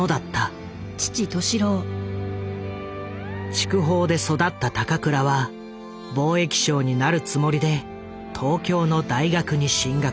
筑豊で育った高倉は貿易商になるつもりで東京の大学に進学。